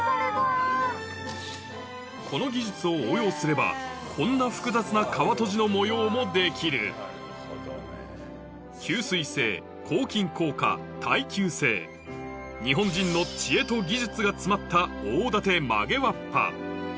この技術を応用すればこんな複雑な皮とじの模様もできる日本人の知恵と技術が詰まった大館曲げわっぱ